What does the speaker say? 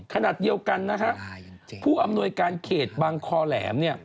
ขนาดเดียวกันผู้อำนวยการเขตบางคอแหลม